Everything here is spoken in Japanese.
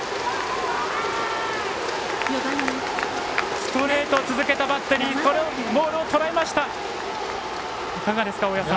ストレート続けたバッテリーそのボールをとらえました。